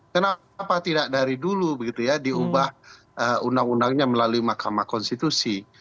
kenapa tidak dari dulu begitu ya diubah undang undangnya melalui mahkamah konstitusi